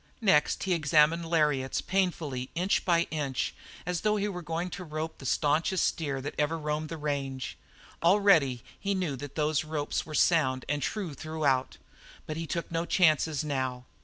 Next he examined lariats painfully, inch by inch, as though he were going out to rope the stanchest steer that ever roamed the range. Already he knew that those ropes were sound and true throughout, but he took no chances now.